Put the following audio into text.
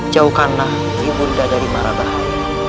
jauhkanlah ibunda dari marabahan